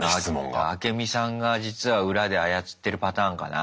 アケミさんが実は裏で操ってるパターンかな？